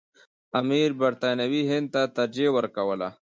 امیر برټانوي هند ته ترجیح ورکوله.